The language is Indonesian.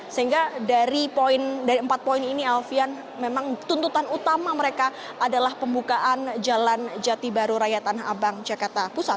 sehingga dari empat poin ini alfian memang tuntutan utama mereka adalah pembukaan jalan jati baru raya tanah abang jakarta pusat